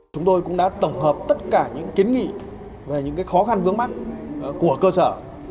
chúng tôi cũng đã tổng hợp tất cả những kiến nghị về những khó khăn vướng mắt của cơ sở